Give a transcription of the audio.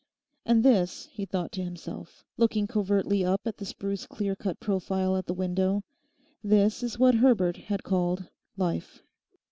And this, he thought to himself, looking covertly up at the spruce clear cut profile at the window, this is what Herbert had called Life.